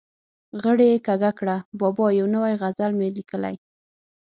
غړۍ یې کږه کړه: بابا یو نوی غزل مې لیکلی.